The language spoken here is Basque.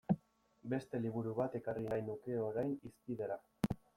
Beste liburu bat ekarri nahi nuke orain hizpidera.